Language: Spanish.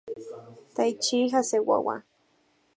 Taichi Hasegawa